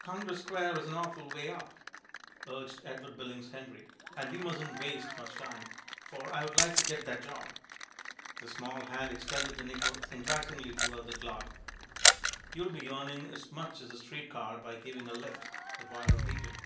"Congress Square is an awful way up," urged Edward Billings Henry, "and we mustn't waste much time; for I would like to get that job." The small hand extended the nickel enticingly toward the glove. "You'll be earning as much as the street car by giving a lift," the boy repeated.